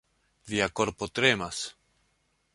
Via korpo tremas.